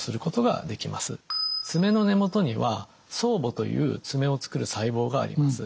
爪の根元には爪母という爪を作る細胞があります。